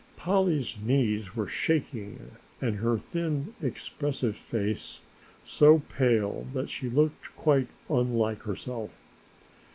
Polly's knees were shaking and her thin expressive face so pale that she looked quite unlike herself.